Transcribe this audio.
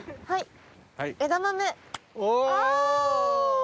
はい。